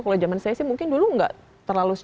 kalau zaman saya sih mungkin dulu nggak terlalu